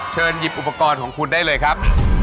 หยิบอุปกรณ์ของคุณได้เลยครับ